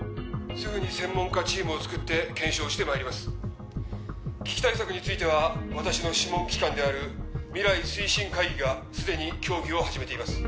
すぐに専門家チームを作って検証してまいります危機対策については私の諮問機関である未来推進会議がすでに協議を始めています